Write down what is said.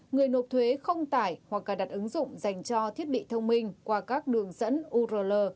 người nộp thuế không tải hoặc cài đặt ứng dụng dành cho thiết bị thông minh qua các đường dẫn url